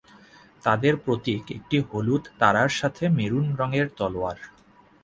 তাদের প্রতীক একট হলুদ তারার সাথে মেরুন রঙের তলোয়ার।